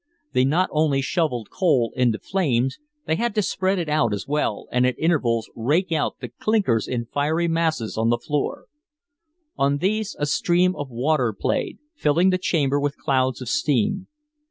They not only shoveled coal into the flames, they had to spread it out as well and at intervals rake out the "clinkers" in fiery masses on the floor. On these a stream of water played, filling the chamber with clouds of steam.